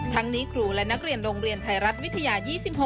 นี้ครูและนักเรียนโรงเรียนไทยรัฐวิทยา๒๖